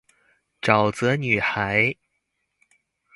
沼澤女孩